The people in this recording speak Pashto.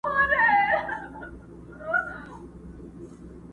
غلامي مي دا یوه شېبه رخصت کړه؛